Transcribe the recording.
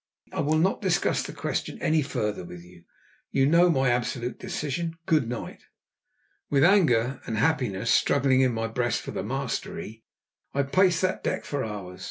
"I will not discuss the question any further with you. You know my absolute decision. Good night!" With anger and happiness struggling in my breast for the mastery, I paced that deck for hours.